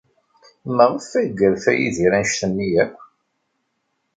Maɣef ay yerfa Yidir anect-nni akk?